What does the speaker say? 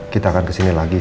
kita akan kesini lahirnya